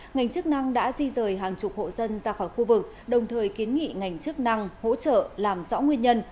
ngành chức năng đã di rời hàng chục hộ dân ra khỏi khu vực đồng thời kiến nghị ngành chức năng hỗ trợ làm rõ nguyên nhân